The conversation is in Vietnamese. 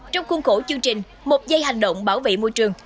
trong khuôn khổ chương trình một dây hành động bảo vệ môi trường